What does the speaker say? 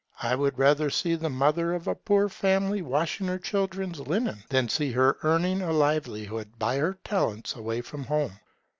I would rather see the mother of a poor family washing her children's linen, than see her earning a livelihood by her talents away from home.